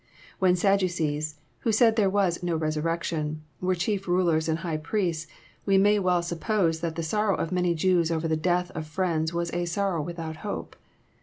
When Sadducees, who said there was <'no resurrection," were chief rulefS^nd^ high priests, we may well suppose that the sorrow of many Jews over the death of friends was a sorrow without ^ope."